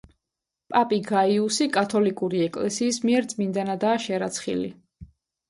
პაპი გაიუსი კათოლიკური ეკლესიის მიერ წმინდანადაა შერაცხილი.